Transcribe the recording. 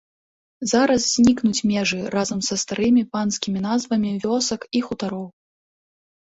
Зараз знікнуць межы разам са старымі панскімі назвамі вёсак і хутароў.